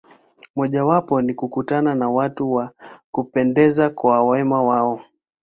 Mojawapo ni kukutana na watu wa kupendeza kwa wema wao.